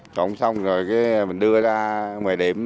trộn xong rồi mình đưa ra ngoài điểm